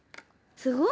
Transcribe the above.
すごい！